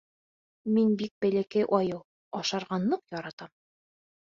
Мин бик бәләкәй айыу, Ашарға ныҡ яратам.